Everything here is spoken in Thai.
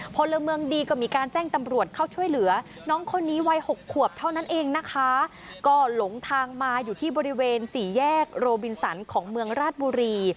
พลเมืองดีก็มีการแจ้งตำรวจเข้าช่วยเหลือน้องคนนี้วัยหกขวบเท่านั้นเองนะคะก็หลงทางมาอยู่ที่บริเวณสี่แยกโรบินสันของเมืองราชบุรี